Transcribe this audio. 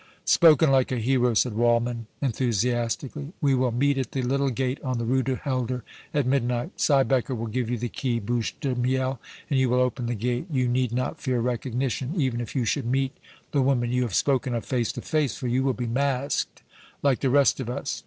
"Spoken like a hero!" said Waldmann, enthusiastically. "We will meet at the little gate on the Rue du Helder at midnight. Siebecker will give you the key, Bouche de Miel, and you will open the gate. You need not fear recognition, even if you should meet the woman you have spoken of face to face, for you will be masked like the rest of us.